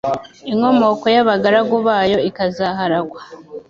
inkomoko y’abagaragu bayo ikazaharagwa